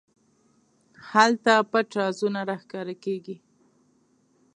هلته پټ رازونه راښکاره کېږي.